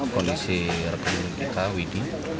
kondisi rekening kita widih